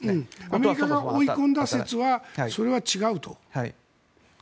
アメリカが追い込んだ説は違うと。